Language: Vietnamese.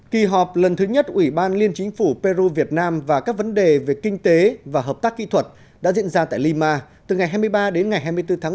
kỳ họp lần thứ nhất ủy ban liên chính phủ peru việt nam và các vấn đề về kinh tế và hợp tác kỹ thuật đã diễn ra tại lima từ ngày hai mươi ba đến ngày hai mươi bốn tháng năm